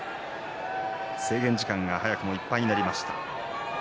制限時間が早くもいっぱいになりました。